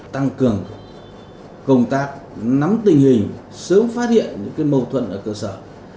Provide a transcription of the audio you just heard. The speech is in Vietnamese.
tăng cường công tác nắm tình hình sớm phát hiện những mâu thuẫn ở cơ sở